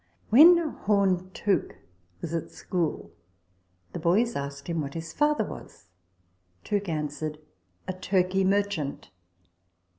When Home Tooke was at school, the boys asked him "what his father was ?" Tooke answered, "A Turkey merchant."